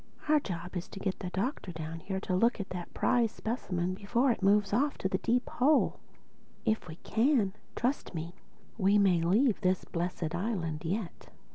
Our job is to get the Doctor down here to look at that prize specimen before it moves off to the Deep Hole. If we can, then trust me, we may leave this blessed island yet.